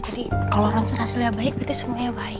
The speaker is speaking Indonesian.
jadi kalau ronsen hasilnya baik berarti semuanya baik